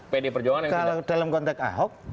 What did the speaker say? pd perjuangan yang tidak kalau dalam konteks ahok